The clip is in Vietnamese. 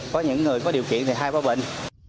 có những người có điều kiện thì hai ba bình